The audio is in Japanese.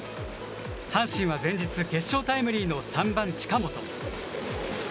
阪神は前日、決勝タイムリーの３番近本。